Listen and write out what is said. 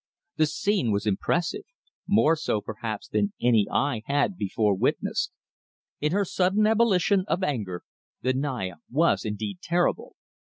The scene was impressive, more so perhaps than any I had before witnessed. In her sudden ebullition of anger the Naya was indeed terrible.